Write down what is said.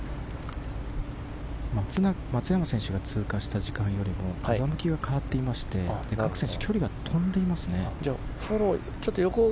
松山選手が通過した時間よりも風向きが変わっていまして各選手、距離が飛んでいますね。